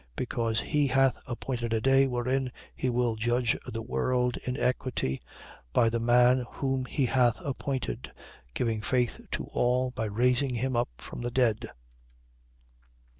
17:31. Because he hath appointed a day wherein he will judge the world in equity, by the man whom he hath appointed: giving faith to all, by raising him up from the dead.